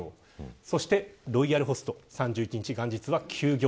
そしてロイヤルホスト３１日、元日は休業。